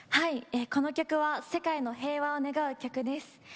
この曲は世界の平和を願う曲です。